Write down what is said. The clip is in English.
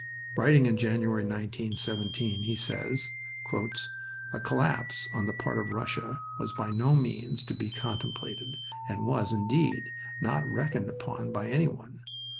Writing of January, 1917, he says: "A collapse on the part of Russia was by no means to be contemplated and was, indeed, not reckoned upon by any one...